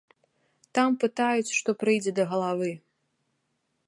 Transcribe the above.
Там пытаюць, што прыйдзе да галавы.